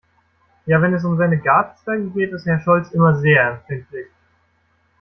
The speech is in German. Ja, wenn es um seine Gartenzwerge geht, ist Herr Scholz immer sehr empfindlich.